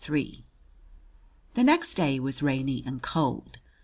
III The next day was rainy and cold.